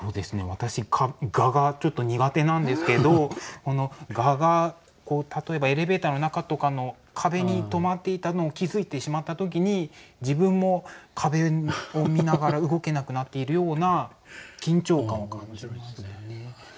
私蛾がちょっと苦手なんですけど蛾が例えばエレベーターの中とかの壁に止まっていたのを気付いてしまった時に自分も壁を見ながら動けなくなっているような緊張感を感じますね。